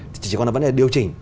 chỉ còn là vấn đề điều chỉnh